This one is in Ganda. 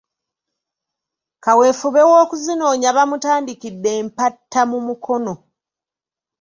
Kaweefube w'okuzinoonya bamutandikidde Mpatta mu Mukono .